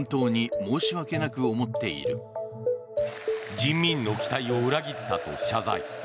人民の期待を裏切ったと謝罪。